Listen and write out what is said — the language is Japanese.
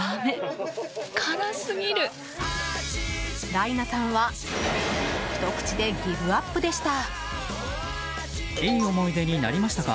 ライナさんはひと口でギブアップでした。